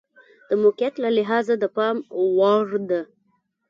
د موقعیت له لحاظه د پام وړ ده.